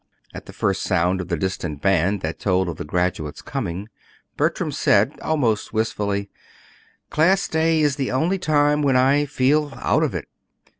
At the first sound of the distant band that told of the graduates' coming, Bertram said almost wistfully: "Class Day is the only time when I feel 'out of it.'